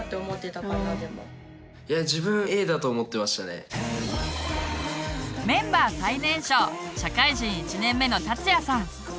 いや自分メンバー最年少社会人１年目のたつやさん。